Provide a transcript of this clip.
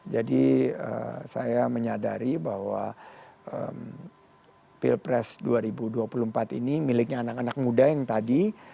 saya menyadari bahwa pilpres dua ribu dua puluh empat ini miliknya anak anak muda yang tadi